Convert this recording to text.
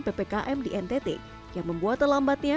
ppkm di ntt yang membuat terlambatnya